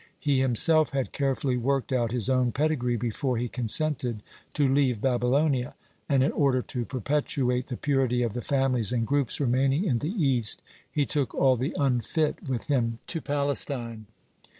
(38) He himself had carefully worked out his own pedigree before he consented to leave Babylonia, (39) and in order to perpetuate the purity of the families and groups remaining in the East, he took all the "unfit" (40) with him to Palestine.